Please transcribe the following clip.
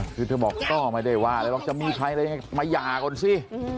คือเธอบอกก็ไม่ได้ว่าอะไรหรอกจะมีใครอะไรมาหย่าก่อนสิ